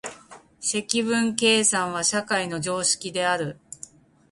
積分計算は社会の常識である。